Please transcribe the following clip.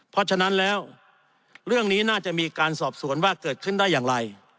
เพราะฉะนั้นแล้วเรื่องนี้น่าจะมีการสอบสวนว่าเกิดขึ้นได้อย่างไร